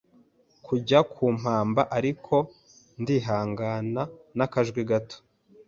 kujya kumpamba ariko ndihangana n’akajwi gato